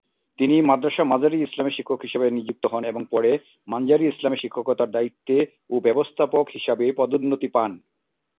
তিনি মাদ্রাসা মাজার-ই-ইসলামে শিক্ষক হিসাবে নিযুক্ত হন এবং পরে মানজার-ই-ইসলামে শিক্ষকতার দায়িত্বে ও ব্যবস্থাপক হিসাবে পদোন্নতি পান।